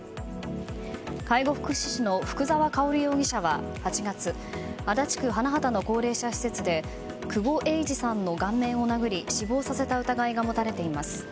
介護福祉士の福沢薫容疑者は８月足立区花畑の高齢者施設で久保栄治さんの顔面を殴り死亡させた疑いが持たれています。